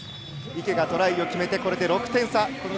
池がトライを決めて、６点差。